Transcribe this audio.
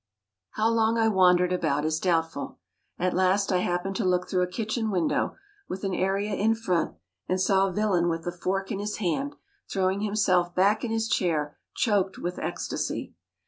How long I wandered about is doubtful. At last I happened to look through a kitchen window, with an area in front, and saw a villain with a fork in his hand, throwing himself back in his chair choked with ecstasy.